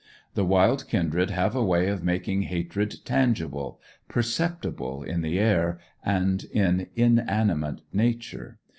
The wild kindred have a way of making hatred tangible, perceptible in the air, and in inanimate nature.